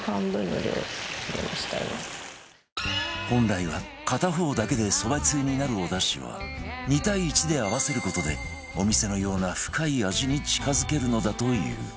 本来は片方だけでそばつゆになるおだしは２対１で合わせる事でお店のような深い味に近付けるのだという